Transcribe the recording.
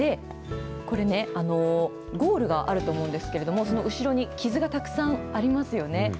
で、これね、ゴールがあると思うんですけれども、その後ろに傷がたくさんありますよね。